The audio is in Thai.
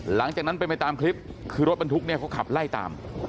หลังจากนั้นเป็นไปตามคลิปคือรถบรรทุกเนี่ยเขาขับไล่ตาม